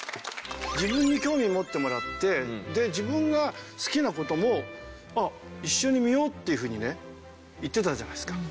自分に興味持ってもらってで自分が好きな事も「あっ一緒に見よう」っていうふうにね言ってたじゃないですか。